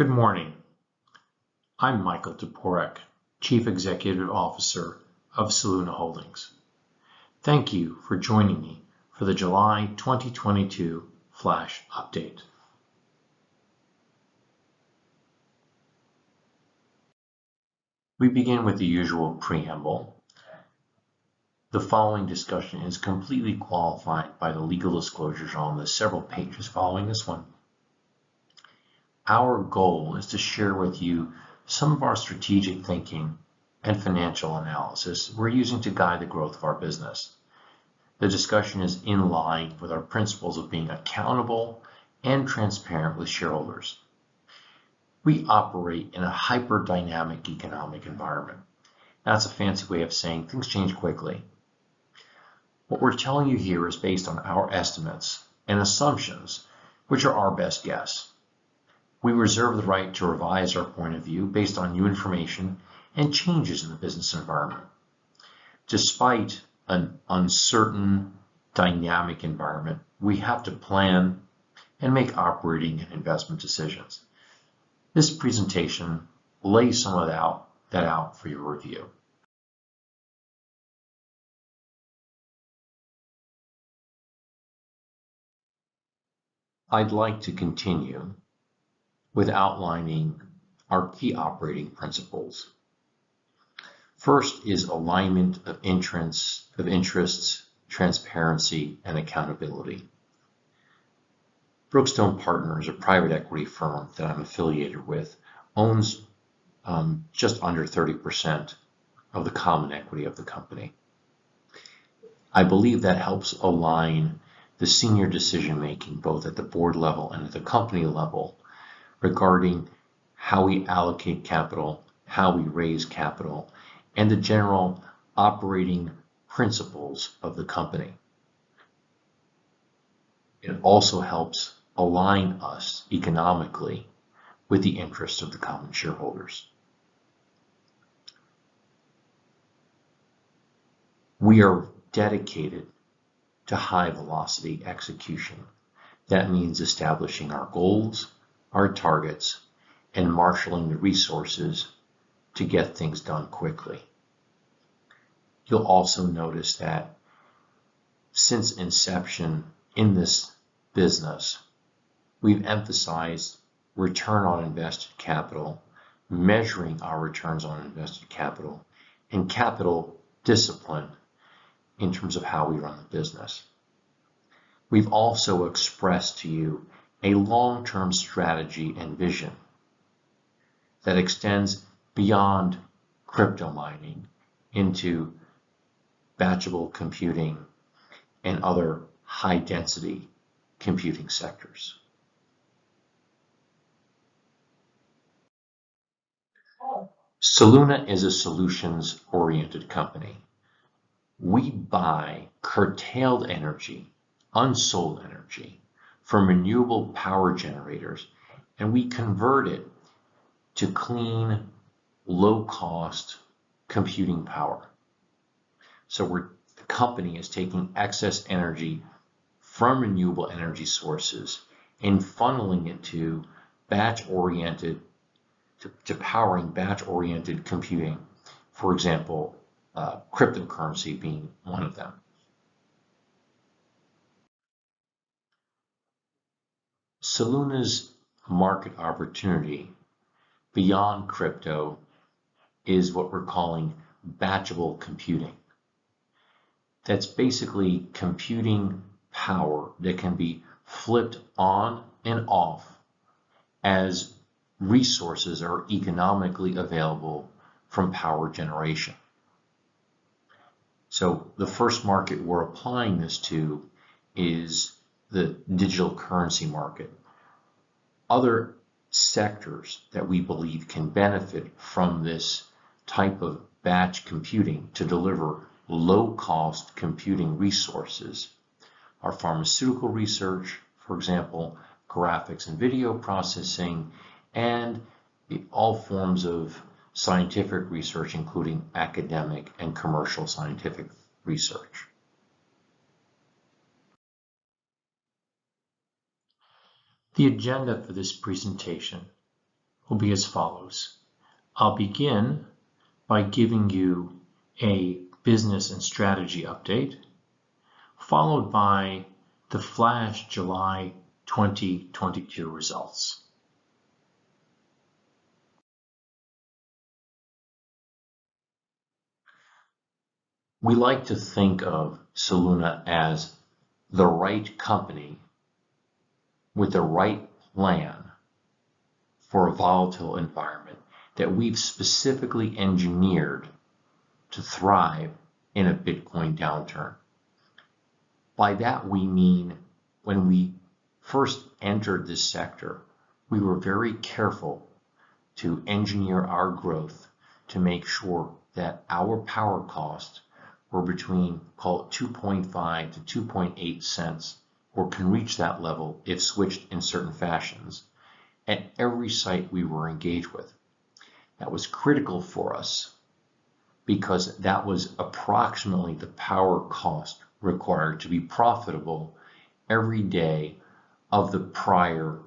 Good morning. I'm Michael Toporek, Chief Executive Officer of Soluna Holdings. Thank you for joining me for the July 2022 Flash Update. We begin with the usual preamble. The following discussion is completely qualified by the legal disclosures on the several pages following this one. Our goal is to share with you some of our strategic thinking and financial analysis we're using to guide the growth of our business. The discussion is in line with our principles of being accountable and transparent with shareholders. We operate in a hyper-dynamic economic environment. That's a fancy way of saying things change quickly. What we're telling you here is based on our estimates and assumptions, which are our best guess. We reserve the right to revise our point of view based on new information and changes in the business environment. Despite an uncertain dynamic environment, we have to plan and make operating and investment decisions. This presentation lays some of that out for your review. I'd like to continue with outlining our key operating principles. First is alignment of interests, transparency, and accountability. Brookstone Partners, a private equity firm that I'm affiliated with, owns just under 30% of the common equity of the company. I believe that helps align the senior decision-making, both at the board level and at the company level, regarding how we allocate capital, how we raise capital, and the general operating principles of the company. It also helps align us economically with the interests of the common shareholders. We are dedicated to high-velocity execution. That means establishing our goals, our targets, and marshaling the resources to get things done quickly. You'll also notice that since inception in this business, we've emphasized return on invested capital, measuring our returns on invested capital, and capital discipline in terms of how we run the business. We've also expressed to you a long-term strategy and vision that extends beyond crypto mining into batchable computing and other high-density computing sectors. Soluna is a solutions-oriented company. We buy curtailed energy, unsold energy from renewable power generators, and we convert it to clean, low-cost computing power. The company is taking excess energy from renewable energy sources and funneling it to powering batch-oriented computing. For example, cryptocurrency being one of them. Soluna's market opportunity beyond crypto is what we're calling batchable computing. That's basically computing power that can be flipped on and off as resources are economically available from power generation. The first market we're applying this to is the digital currency market. Other sectors that we believe can benefit from this type of batch computing to deliver low-cost computing resources are pharmaceutical research, for example, graphics and video processing, and all forms of scientific research, including academic and commercial scientific research. The agenda for this presentation will be as follows. I'll begin by giving you a business and strategy update, followed by the flash July 2022 results. We like to think of Soluna as the right company with the right plan for a volatile environment that we've specifically engineered to thrive in a Bitcoin downturn. By that, we mean when we first entered this sector, we were very careful to engineer our growth to make sure that our power costs were between, call it $0.025-$0.028, or can reach that level if switched in certain fashions at every site we were engaged with. That was critical for us. Because that was approximately the power cost required to be profitable every day of the prior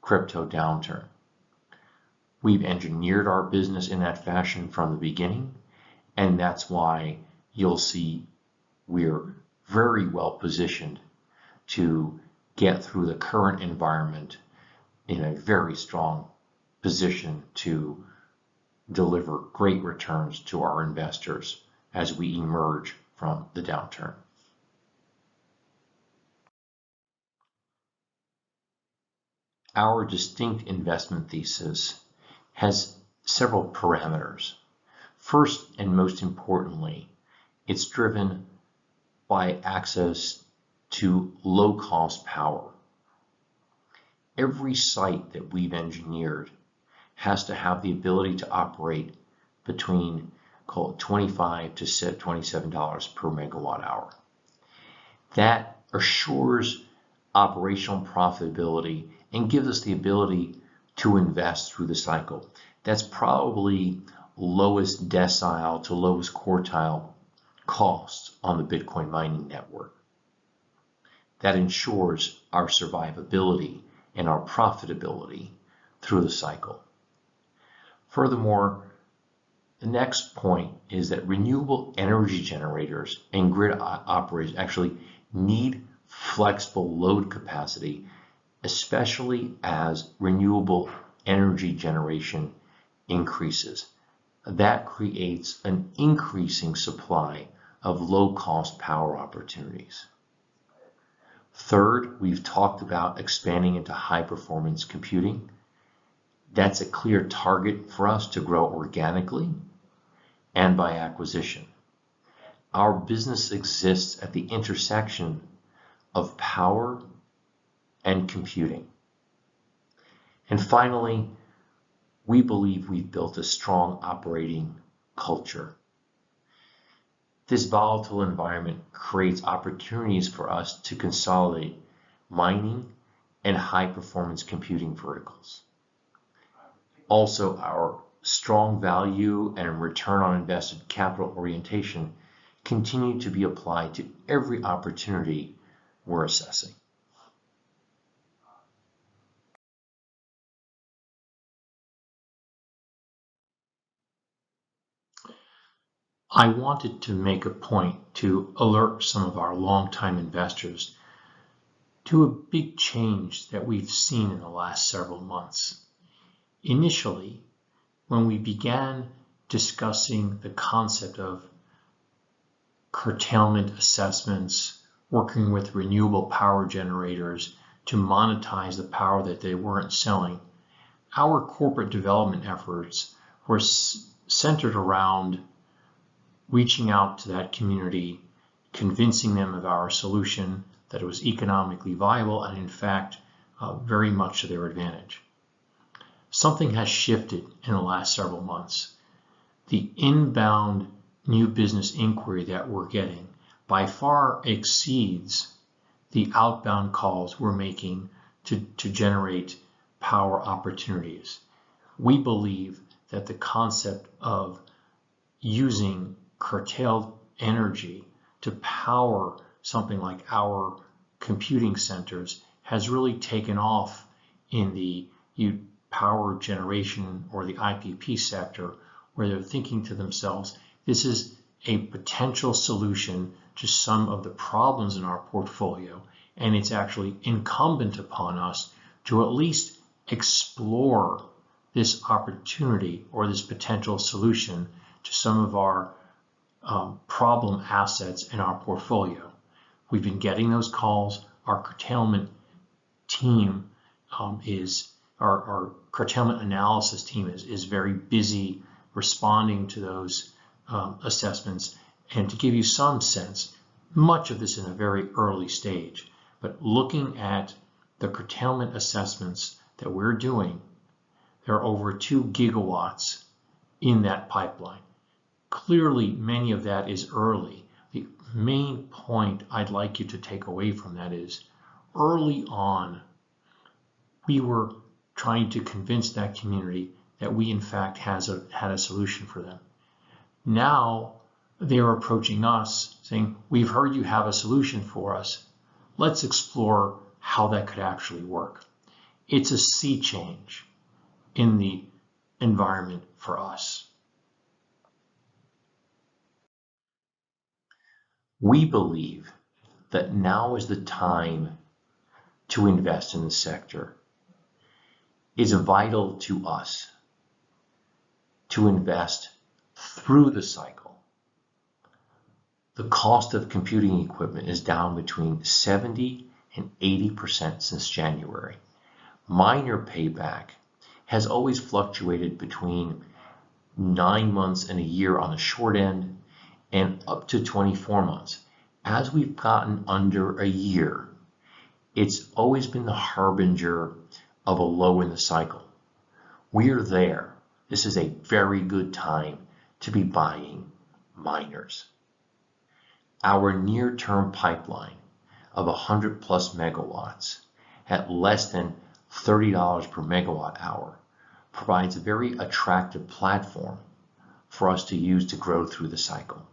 crypto downturn. We've engineered our business in that fashion from the beginning, and that's why you'll see we're very well positioned to get through the current environment in a very strong position to deliver great returns to our investors as we emerge from the downturn. Our distinct investment thesis has several parameters. First, and most importantly, it's driven by access to low-cost power. Every site that we've engineered has to have the ability to operate between call it $25-$27 per MWh. That assures operational profitability and gives us the ability to invest through the cycle. That's probably lowest decile to lowest quartile cost on the Bitcoin mining network. That ensures our survivability and our profitability through the cycle. Furthermore, the next point is that renewable energy generators and grid operators actually need flexible load capacity, especially as renewable energy generation increases. That creates an increasing supply of low-cost power opportunities. Third, we've talked about expanding into high-performance computing. That's a clear target for us to grow organically and by acquisition. Our business exists at the intersection of power and computing. Finally, we believe we've built a strong operating culture. This volatile environment creates opportunities for us to consolidate mining and high-performance computing verticals. Also, our strong value and return on invested capital orientation continue to be applied to every opportunity we're assessing. I wanted to make a point to alert some of our longtime investors to a big change that we've seen in the last several months. Initially, when we began discussing the concept of curtailment assessments, working with renewable power generators to monetize the power that they weren't selling, our corporate development efforts were centered around reaching out to that community, convincing them of our solution, that it was economically viable, and in fact, very much to their advantage. Something has shifted in the last several months. The inbound new business inquiry that we're getting by far exceeds the outbound calls we're making to generate power opportunities. We believe that the concept of using curtailed energy to power something like our computing centers has really taken off in the power generation or the IPP sector, where they're thinking to themselves, "This is a potential solution to some of the problems in our portfolio, and it's actually incumbent upon us to at least explore this opportunity or this potential solution to some of our problem assets in our portfolio." We've been getting those calls. Our curtailment analysis team is very busy responding to those assessments. To give you some sense, much of this is in a very early stage. Looking at the curtailment assessments that we're doing, there are over 2 gigawatts in that pipeline. Clearly, many of that is early. The main point I'd like you to take away from that is early on, we were trying to convince that community that we, in fact, had a solution for them. Now they are approaching us saying, "We've heard you have a solution for us. Let's explore how that could actually work." It's a sea change in the environment for us. We believe that now is the time to invest in the sector. It is vital to us to invest through the cycle. The cost of computing equipment is down between 70%-80% since January. Miner payback has always fluctuated between nine months and a year on the short end and up to 24 months. As we've gotten under a year, it's always been the harbinger of a low in the cycle. We are there. This is a very good time to be buying miners. Our near-term pipeline of 100+ MW at less than $30 per MWh provides a very attractive platform for us to use to grow through the cycle.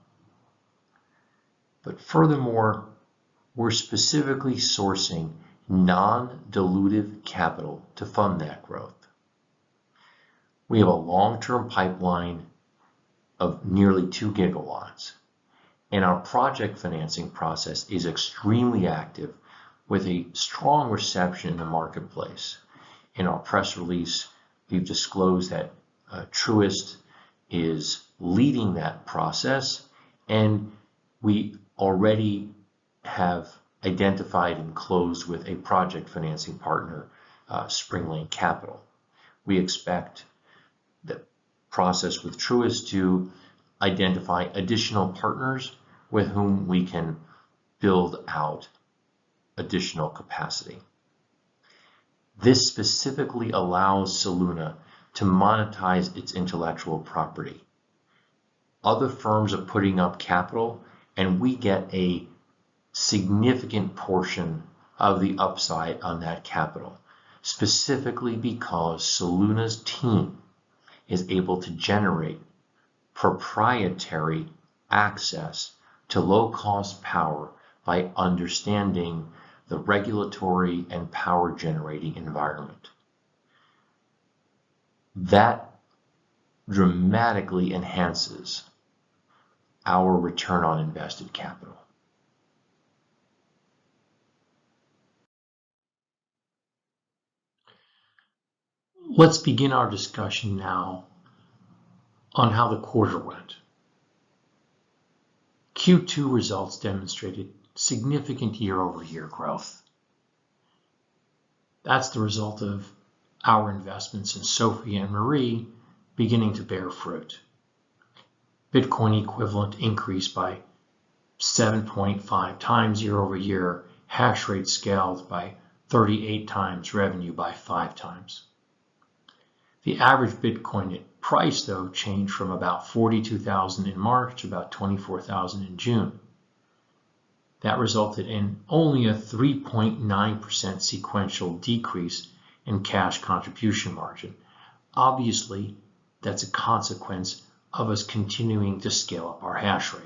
Furthermore, we're specifically sourcing non-dilutive capital to fund that growth. We have a long-term pipeline of nearly 2 GW, and our project financing process is extremely active with a strong reception in the marketplace. In our press release, we've disclosed that Truist is leading that process, and we already have identified and closed with a project financing partner, Spring Lane Capital. We expect the process with Truist to identify additional partners with whom we can build out additional capacity. This specifically allows Soluna to monetize its intellectual property. Other firms are putting up capital, and we get a significant portion of the upside on that capital, specifically because Soluna's team is able to generate proprietary access to low-cost power by understanding the regulatory and power-generating environment. That dramatically enhances our return on invested capital. Let's begin our discussion now on how the quarter went. Q2 results demonstrated significant year-over-year growth. That's the result of our investments in Sophie and Edith beginning to bear fruit. Bitcoin equivalent increased by 7.5x year over year, hash rate scaled by 38x, revenue by 5x. The average Bitcoin price, though, changed from about $42,000 in March to about $24,000 in June. That resulted in only a 3.9% sequential decrease in cash contribution margin. Obviously, that's a consequence of us continuing to scale up our hash rate.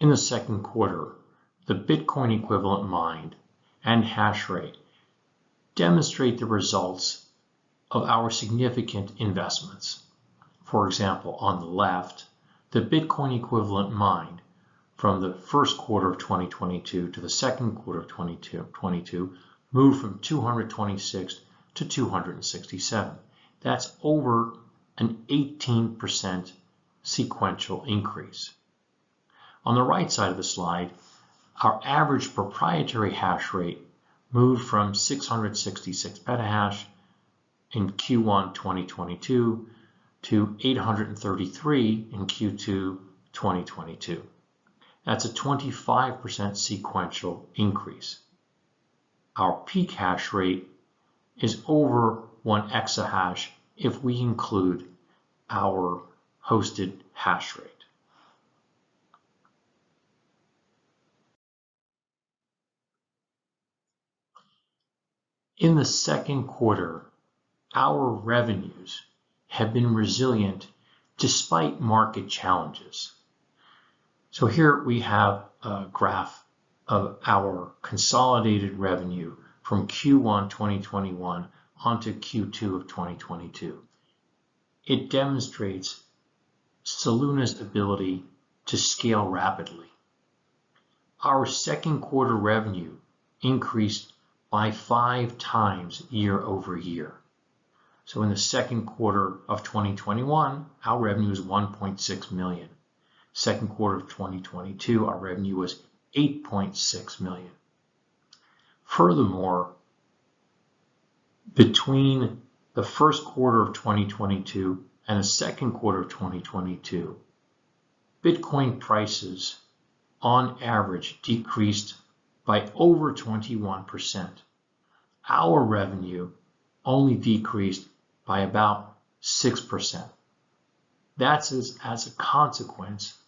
In the second quarter, the Bitcoin equivalent mined and hash rate demonstrate the results of our significant investments. For example, on the left, the Bitcoin equivalent mined from the first quarter of 2022 to the second quarter of 2022 moved from 226 to 267. That's over an 18% sequential increase. On the right side of the slide, our average proprietary hash rate moved from 666 petahash in Q1 2022 to 833 in Q2 2022. That's a 25% sequential increase. Our peak hash rate is over one exahash if we include our hosted hash rate. In the second quarter, our revenues have been resilient despite market challenges. Here we have a graph of our consolidated revenue from Q1 2021 to Q2 of 2022. It demonstrates Soluna's ability to scale rapidly. Our second quarter revenue increased by 5x year-over-year. In the second quarter of 2021, our revenue was $1.6 million. Second quarter of 2022, our revenue was $8.6 million. Furthermore, between the first quarter of 2022 and the second quarter of 2022, Bitcoin prices on average decreased by over 21%. Our revenue only decreased by about 6%. That's as a consequence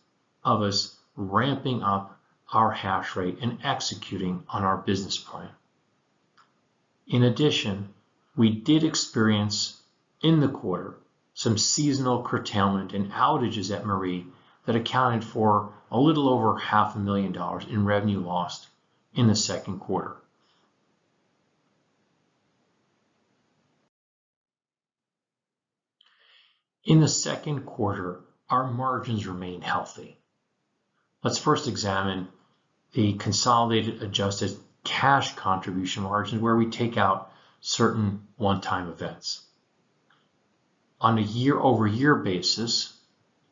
of us ramping up our hash rate and executing on our business plan. In addition, we did experience in the quarter some seasonal curtailment and outages at Marie that accounted for a little over half a million dollars in revenue lost in the second quarter. In the second quarter, our margins remained healthy. Let's first examine the consolidated adjusted cash contribution margin where we take out certain one-time events. On a year-over-year basis,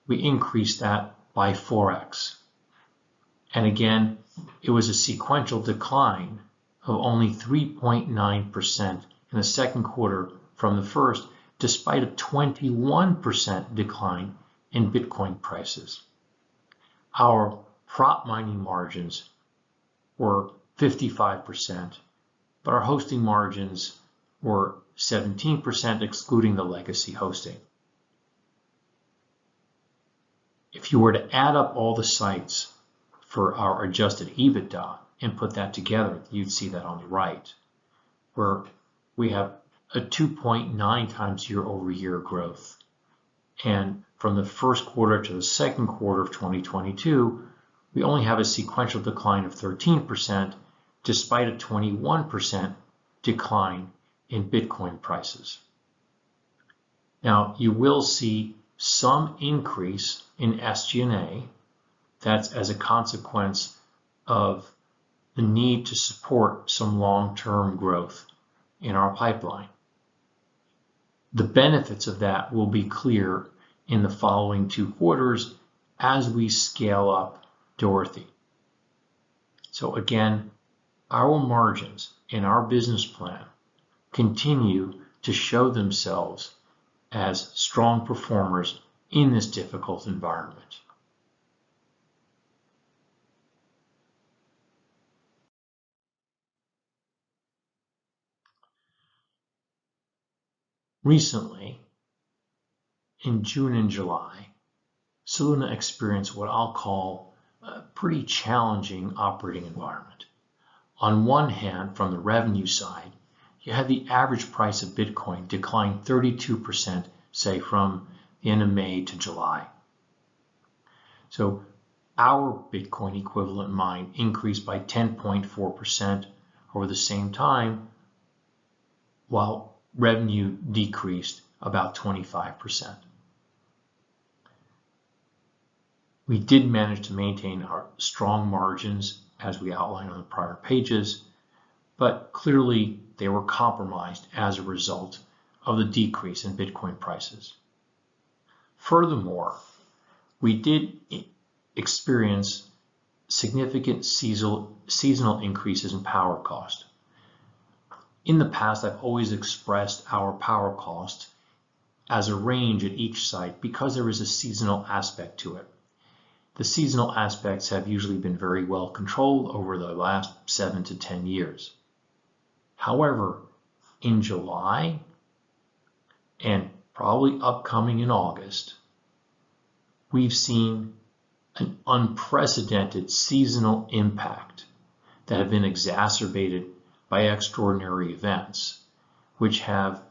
we increased that by 4x. Again, it was a sequential decline of only 3.9% in the second quarter from the first, despite a 21% decline in Bitcoin prices. Our prop mining margins were 55%, but our hosting margins were 17% excluding the legacy hosting. If you were to add up all the sites for our adjusted EBITDA and put that together, you'd see that on the right, where we have a 2.9x year-over-year growth. From the first quarter to the second quarter of 2022, we only have a sequential decline of 13% despite a 21% decline in Bitcoin prices. Now, you will see some increase in SG&A. That's as a consequence of the need to support some long-term growth in our pipeline. The benefits of that will be clear in the following two quarters as we scale up Dorothy. Again, our margins and our business plan continue to show themselves as strong performers in this difficult environment. Recently, in June and July, Soluna experienced what I'll call a pretty challenging operating environment. On one hand, from the revenue side, you had the average price of Bitcoin decline 32%, say, from end of May to July. Our Bitcoin equivalent mine increased by 10.4% over the same time, while revenue decreased about 25%. We did manage to maintain our strong margins as we outlined on the prior pages, but clearly they were compromised as a result of the decrease in Bitcoin prices. Furthermore, we did experience significant seasonal increases in power cost. In the past, I've always expressed our power cost as a range at each site because there is a seasonal aspect to it. The seasonal aspects have usually been very well controlled over the last seven to 10 years. However, in July, and probably upcoming in August, we've seen an unprecedented seasonal impact that have been exacerbated by extraordinary events, which have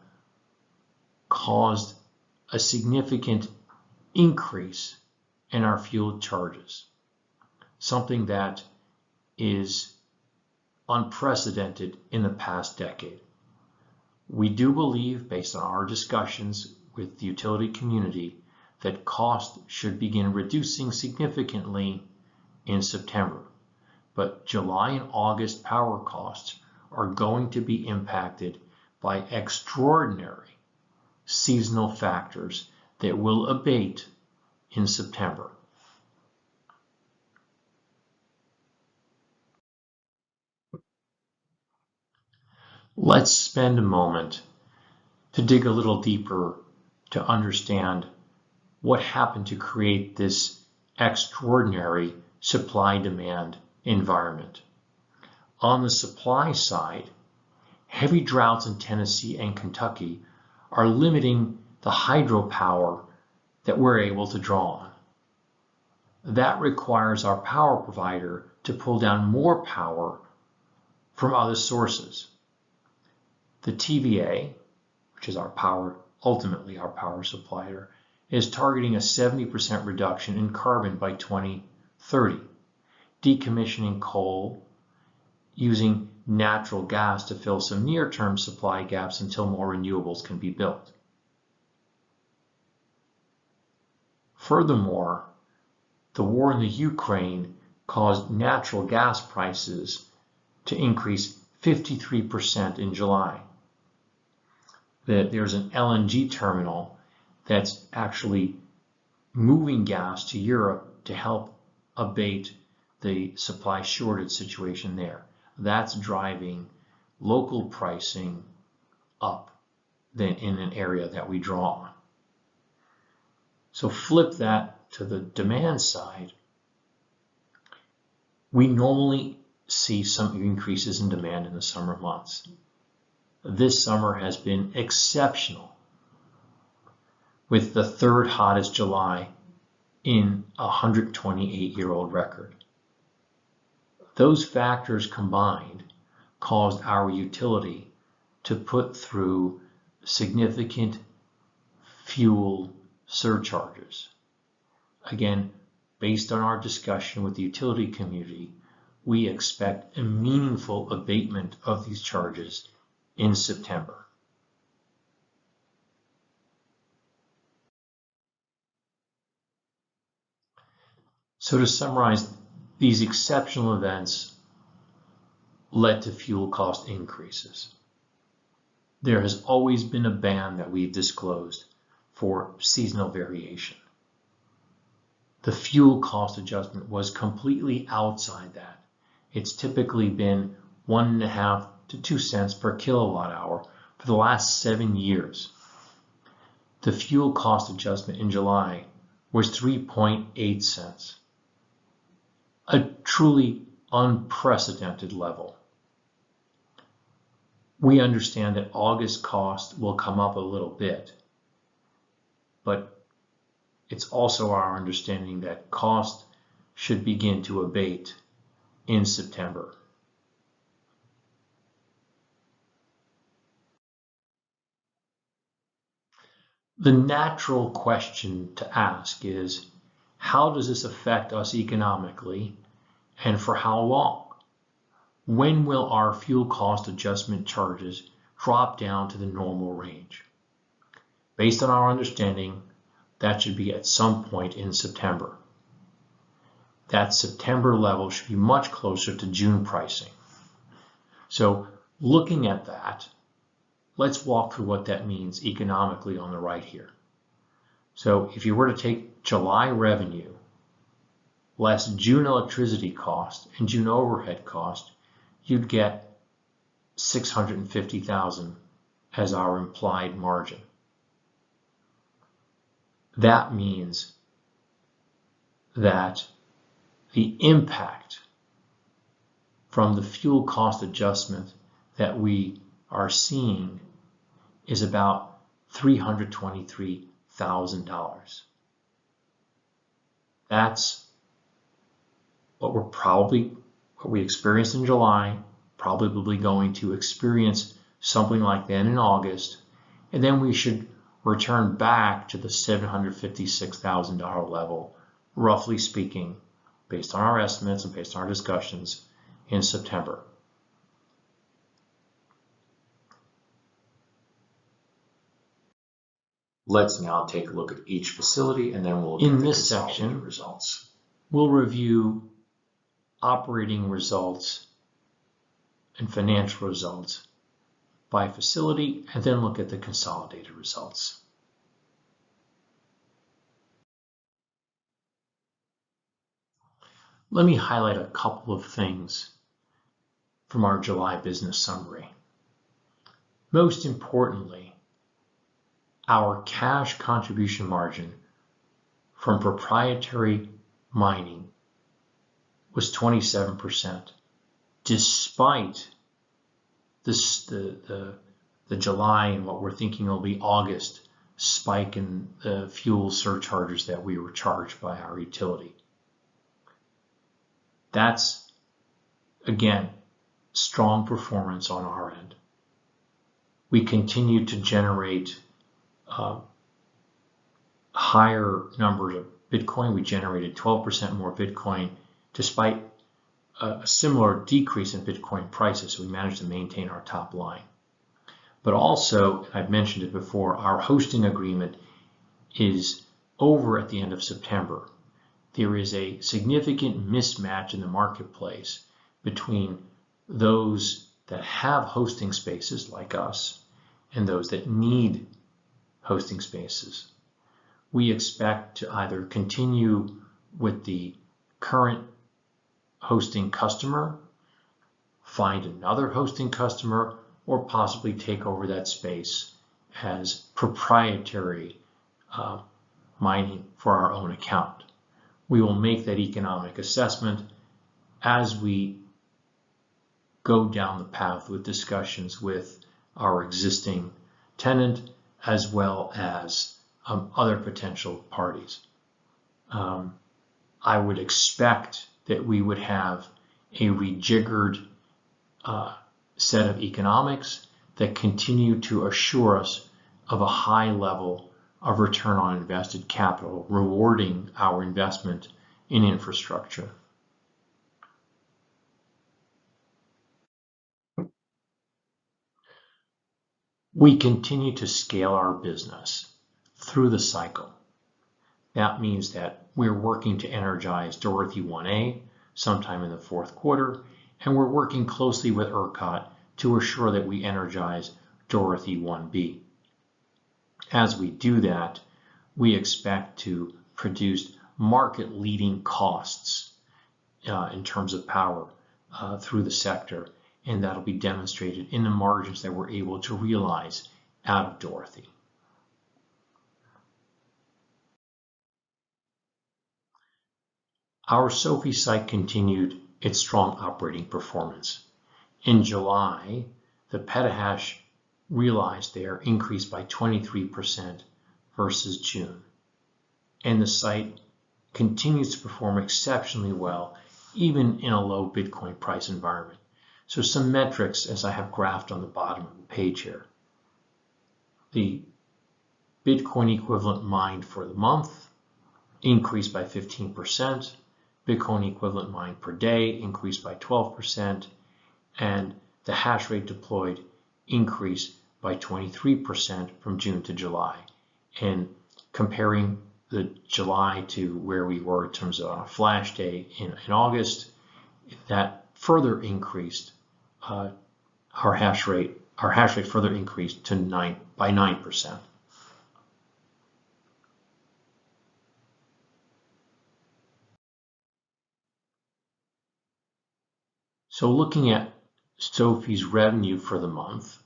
caused a significant increase in our fuel charges, something that is unprecedented in the past decade. We do believe, based on our discussions with the utility community, that costs should begin reducing significantly in September. July and August power costs are going to be impacted by extraordinary seasonal factors that will abate in September. Let's spend a moment to dig a little deeper to understand what happened to create this extraordinary supply-demand environment. On the supply side, heavy droughts in Tennessee and Kentucky are limiting the hydropower that we're able to draw on. That requires our power provider to pull down more power from other sources. The TVA, which is our power, ultimately our power supplier, is targeting a 70% reduction in carbon by 2030, decommissioning coal using natural gas to fill some near-term supply gaps until more renewables can be built. Furthermore, the war in Ukraine caused natural gas prices to increase 53% in July. That there's an LNG terminal that's actually moving gas to Europe to help abate the supply shortage situation there. That's driving local pricing higher than in an area that we draw on. Flip that to the demand side. We normally see some increases in demand in the summer months. This summer has been exceptional with the third hottest July in a 128-year-old record. Those factors combined caused our utility to pass through significant fuel surcharges. Again, based on our discussion with the utility community, we expect a meaningful abatement of these charges in September. To summarize, these exceptional events led to fuel cost increases. There has always been a band that we've disclosed for seasonal variation. The fuel cost adjustment was completely outside that. It's typically been $0.015-$0.02 per kWh for the last seven years. The fuel cost adjustment in July was $0.038. A truly unprecedented level. We understand that August cost will come up a little bit, but it's also our understanding that cost should begin to abate in September. The natural question to ask is: How does this affect us economically and for how long? When will our fuel cost adjustment charges drop down to the normal range? Based on our understanding, that should be at some point in September. That September level should be much closer to June pricing. Looking at that, let's walk through what that means economically on the right here. If you were to take July revenue less June electricity cost and June overhead cost, you'd get $650,000 as our implied margin. That means that the impact from the fuel cost adjustment that we are seeing is about $323,000. That's what we experienced in July, probably going to experience something like that in August, and then we should return back to the $756,000 level, roughly speaking, based on our estimates and based on our discussions in September. Let's now take a look at each facility, and then we'll look at the consolidated results. In this section, we'll review operating results and financial results by facility and then look at the consolidated results. Let me highlight a couple of things from our July business summary. Most importantly, our cash contribution margin from proprietary mining was 27% despite the July and what we're thinking will be August spike in fuel surcharges that we were charged by our utility. That's, again, strong performance on our end. We continue to generate higher numbers of Bitcoin. We generated 12% more Bitcoin despite a similar decrease in Bitcoin prices. We managed to maintain our top line. Also, I've mentioned it before, our hosting agreement is over at the end of September. There is a significant mismatch in the marketplace between those that have hosting spaces like us and those that need hosting spaces. We expect to either continue with the current hosting customer, find another hosting customer, or possibly take over that space as proprietary mining for our own account. We will make that economic assessment as we go down the path with discussions with our existing tenant as well as other potential parties. I would expect that we would have a rejiggered set of economics that continue to assure us of a high level of return on invested capital, rewarding our investment in infrastructure. We continue to scale our business through the cycle. That means that we're working to energize Dorothy One A sometime in the fourth quarter, and we're working closely with ERCOT to assure that we energize Dorothy One B. As we do that, we expect to produce market-leading costs in terms of power through the sector, and that'll be demonstrated in the margins that we're able to realize out of Dorothy. Our Sophie site continued its strong operating performance. In July, the petahash realized there increased by 23% versus June, and the site continues to perform exceptionally well, even in a low Bitcoin price environment. Some metrics, as I have graphed on the bottom of the page here. The Bitcoin equivalent mined for the month increased by 15%. Bitcoin equivalent mined per day increased by 12%, and the hash rate deployed increased by 23% from June to July. Comparing the July to where we were in terms of our last day in August, that further increased our hash rate. Our hash rate further increased by 9%. Looking at Sophie's revenue for the month,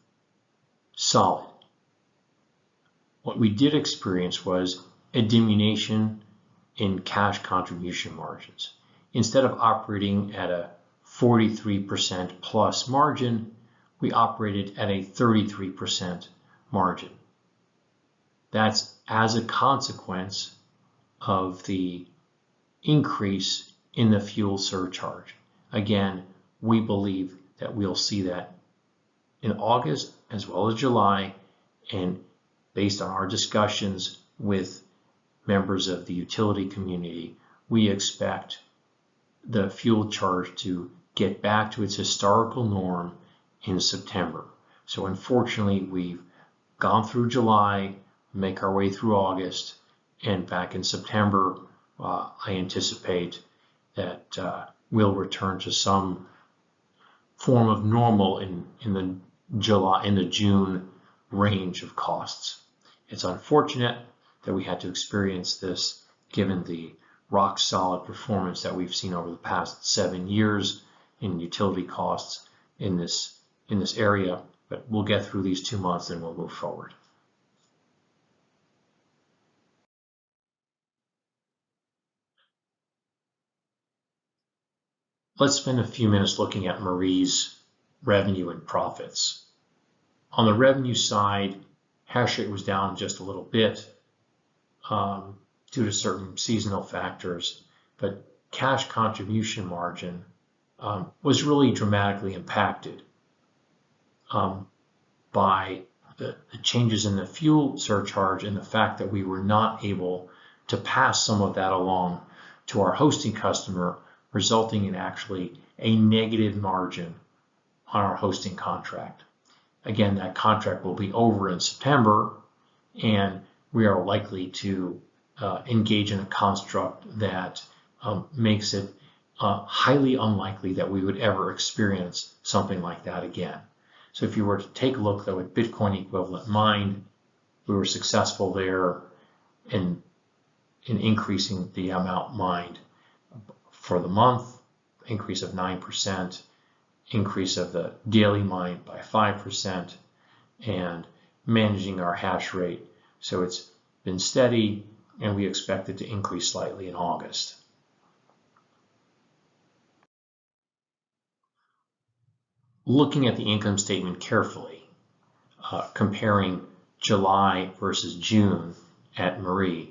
solid. What we did experience was a diminution in cash contribution margins. Instead of operating at a 43% plus margin, we operated at a 33% margin. That's as a consequence of the increase in the fuel surcharge. We believe that we'll see that in August as well as July, and based on our discussions with members of the utility community, we expect the fuel charge to get back to its historical norm in September. Unfortunately, we've gone through July, make our way through August, and back in September, I anticipate that we'll return to some form of normal in the June range of costs. It's unfortunate that we had to experience this given the rock-solid performance that we've seen over the past seven years in utility costs in this area. We'll get through these two months, and we'll move forward. Let's spend a few minutes looking at Soluna's revenue and profits. On the revenue side, hash rate was down just a little bit due to certain seasonal factors. Cash contribution margin was really dramatically impacted by the changes in the fuel surcharge and the fact that we were not able to pass some of that along to our hosting customer, resulting in actually a negative margin on our hosting contract. Again, that contract will be over in September, and we are likely to engage in a construct that makes it highly unlikely that we would ever experience something like that again. If you were to take a look, though, at Bitcoin equivalent mined, we were successful there in increasing the amount mined for the month, increase of 9%, increase of the daily mined by 5%, and managing our hash rate. It's been steady, and we expect it to increase slightly in August. Looking at the income statement carefully, comparing July versus June at Edith,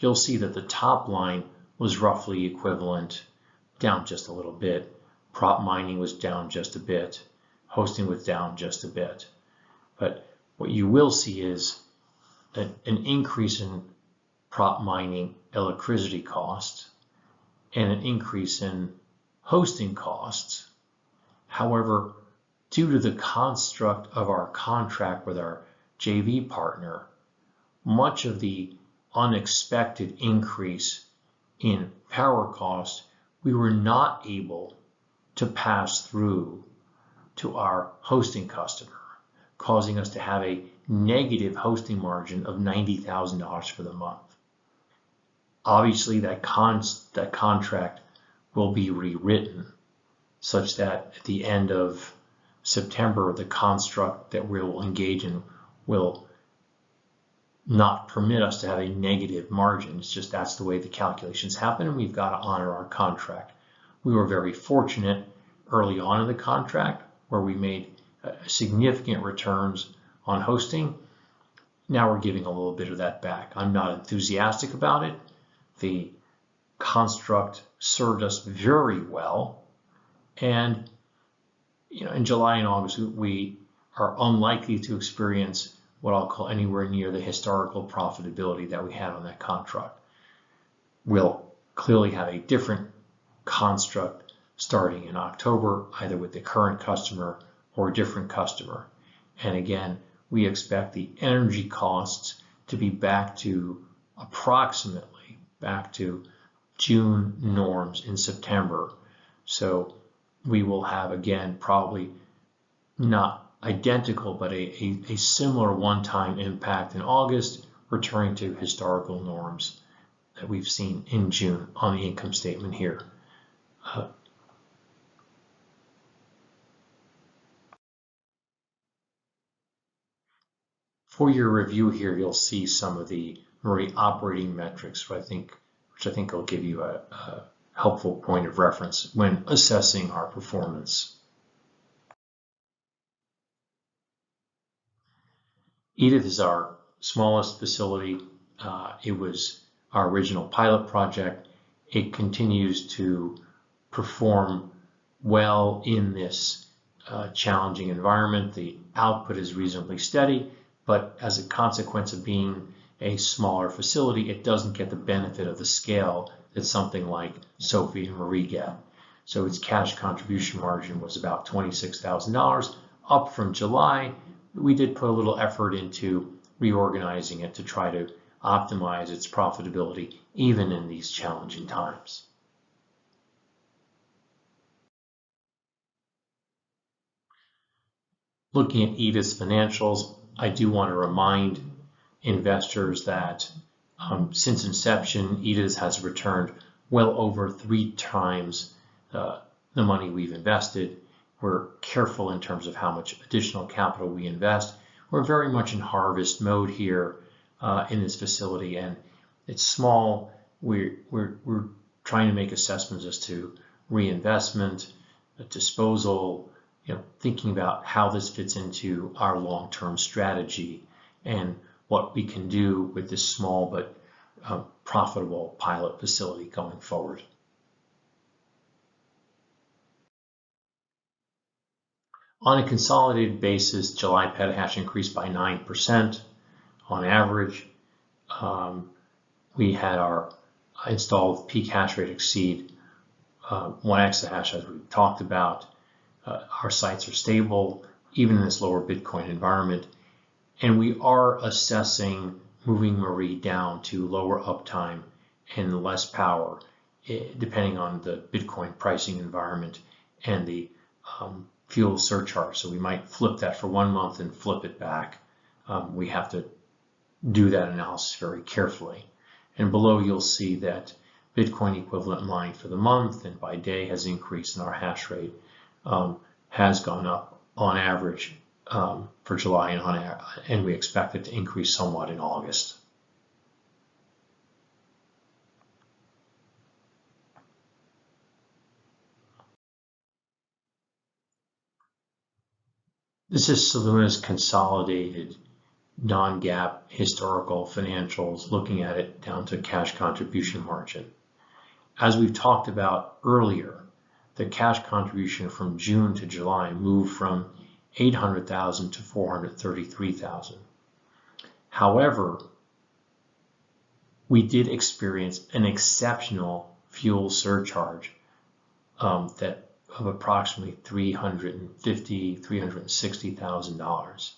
you'll see that the top line was roughly equivalent, down just a little bit. Prop mining was down just a bit. Hosting was down just a bit. What you will see is an increase in prop mining electricity costs and an increase in hosting costs. However, due to the construct of our contract with our JV partner, much of the unexpected increase in power costs we were not able to pass through to our hosting customer, causing us to have a negative hosting margin of $90,000 for the month. Obviously, that contract will be rewritten such that at the end of September, the construct that we will engage in will not permit us to have a negative margin. It's just that's the way the calculations happen, and we've got to honor our contract. We were very fortunate early on in the contract where we made significant returns on hosting. Now we're giving a little bit of that back. I'm not enthusiastic about it. The construct served us very well, and, you know, in July and August, we are unlikely to experience what I'll call anywhere near the historical profitability that we had on that contract. We'll clearly have a different construct starting in October, either with the current customer or a different customer. Again, we expect the energy costs to be back to approximately back to June norms in September. We will have, again, probably not identical, but a similar one-time impact in August, returning to historical norms that we've seen in June on the income statement here. For your review here, you'll see some of the Marie operating metrics, which I think will give you a helpful point of reference when assessing our performance. Edith is our smallest facility. It was our original pilot project. It continues to perform well in this challenging environment. The output is reasonably steady, but as a consequence of being a smaller facility, it doesn't get the benefit of the scale that something like Sophie and Marie get. So its cash contribution margin was about $26,000, up from July. We did put a little effort into reorganizing it to try to optimize its profitability, even in these challenging times. Looking at Edith's financials, I do wanna remind investors that, since inception, Edith's has returned well over three times the money we've invested. We're careful in terms of how much additional capital we invest. We're very much in harvest mode here in this facility, and it's small. We're trying to make assessments as to reinvestment, a disposal, you know, thinking about how this fits into our long-term strategy and what we can do with this small but profitable pilot facility going forward. On a consolidated basis, July petahash increased by 9% on average. We had our installed peak hash rate exceed one exahash as we talked about. Our sites are stable even in this lower Bitcoin environment, and we are assessing moving Marie down to lower uptime and less power, depending on the Bitcoin pricing environment and the fuel surcharge. We might flip that for one month and flip it back. We have to do that analysis very carefully. Below you'll see that Bitcoin equivalent line for the month and by day has increased and our hash rate has gone up on average for July and we expect it to increase somewhat in August. This is Soluna's consolidated non-GAAP historical financials, looking at it down to cash contribution margin. As we've talked about earlier, the cash contribution from June to July moved from $800,000 to $433,000. However, we did experience an exceptional fuel surcharge that of approximately $360,000.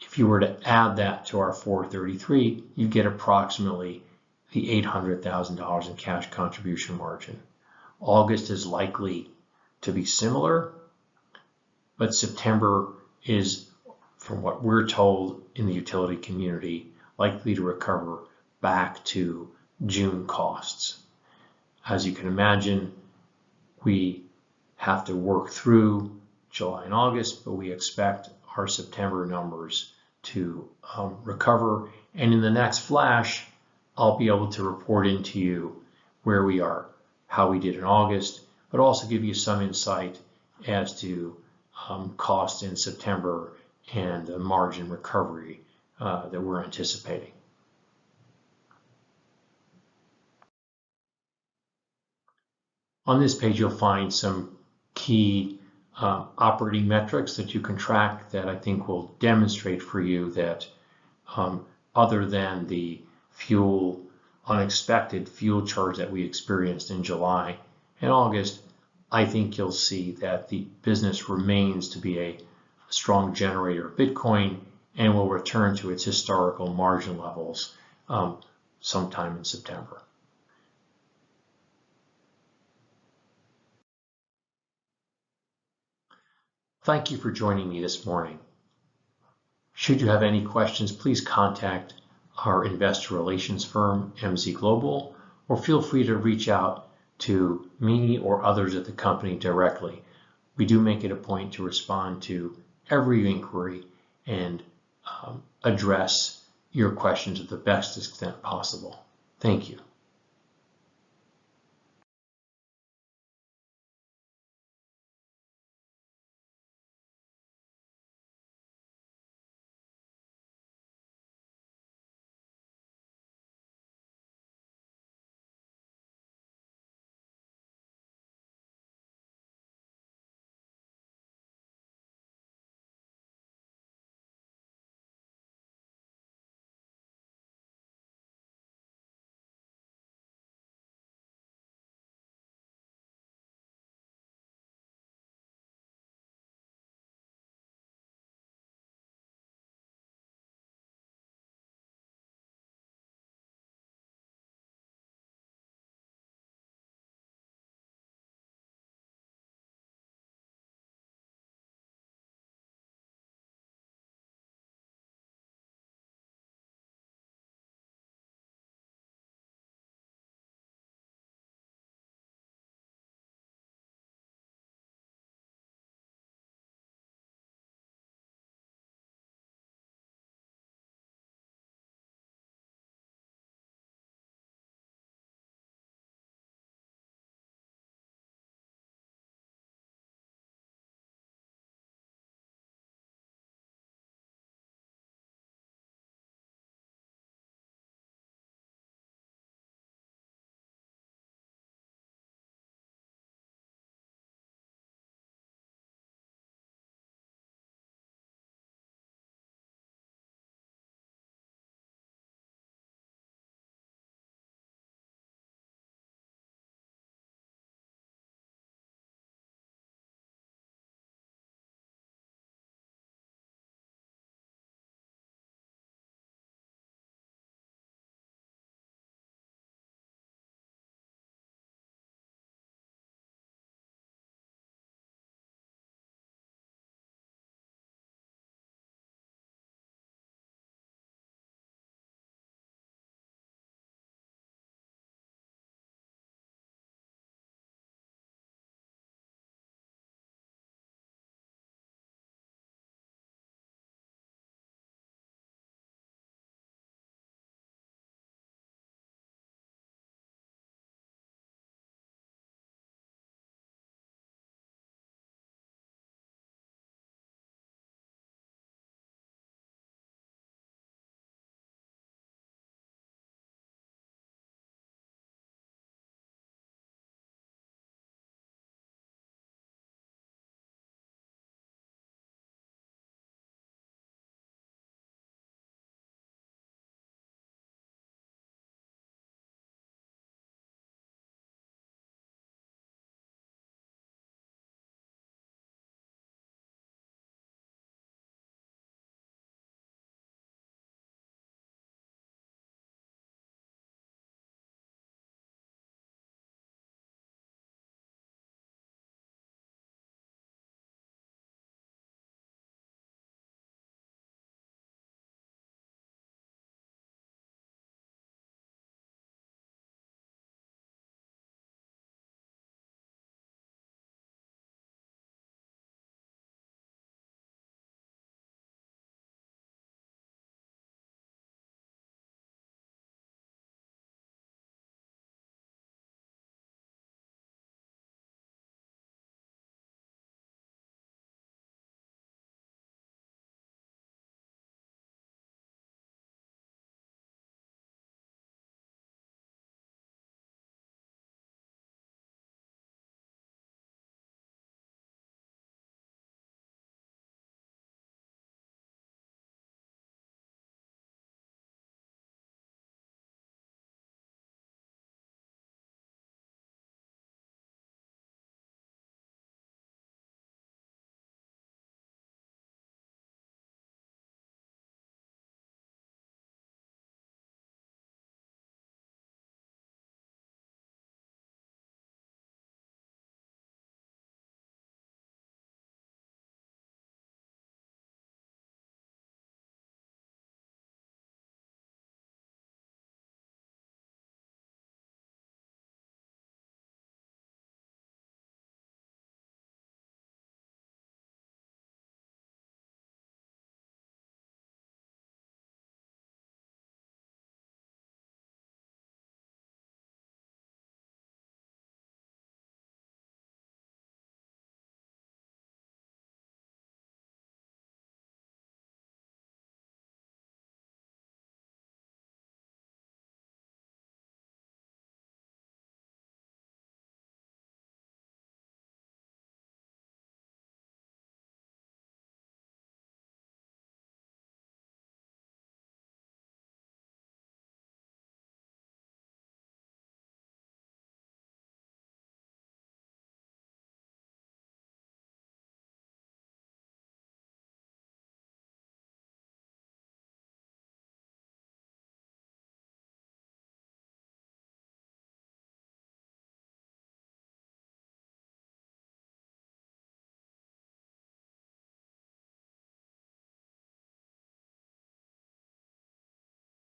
If you were to add that to our $433,000, you get approximately $800,000 in cash contribution margin. August is likely to be similar, but September is, from what we're told in the utility community, likely to recover back to June costs. As you can imagine, we have to work through July and August, but we expect our September numbers to recover. In the next flash, I'll be able to report into you where we are, how we did in August, but also give you some insight as to cost in September and the margin recovery that we're anticipating. On this page, you'll find some key operating metrics that you can track that I think will demonstrate for you that other than the unexpected fuel charge that we experienced in July and August, I think you'll see that the business remains to be a strong generator of Bitcoin and will return to its historical margin levels sometime in September. Thank you for joining me this morning. Should you have any questions, please contact our investor relations firm, MZ Group, or feel free to reach out to me or others at the company directly. We do make it a point to respond to every inquiry and address your questions to the best extent possible. Thank you.